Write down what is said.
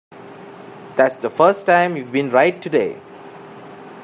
That's the first time you've been right today.